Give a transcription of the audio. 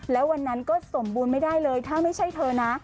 แล้ววันนั้นก็สมบูรณ์ไม่ได้เลยถ้าไม่ใช่เธอนะ